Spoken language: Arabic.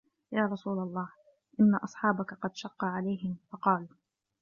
يَا رَسُولَ اللَّهِ إنَّ أَصْحَابَك قَدْ شَقَّ عَلَيْهِمْ فَقَالُوا